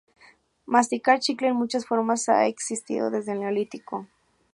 Masticar chicle en muchas formas ha existido desde el Neolítico.